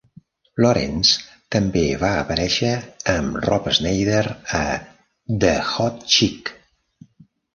Lawrence també va aparèixer, amb Rob Schneider, a "The Hot Chick".